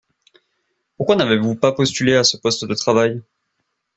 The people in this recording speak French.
Pourquoi n’avez-vous pas postulé à ce poste de travail ?